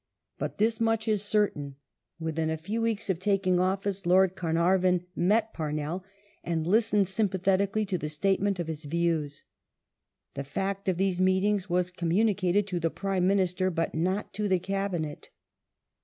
But this much is certain. Within a few weeks of taking office Lord Carnai'von met Parnell and listened sympathetically to the statement of his views. The fact of these meetings was communicated to the Prime Minister, but not to the Cabinet.